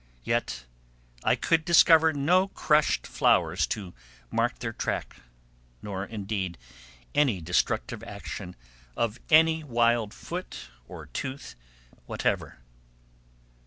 Yet I could discover no crushed flowers to mark their track, nor, indeed, any destructive action of any wild foot or tooth whatever.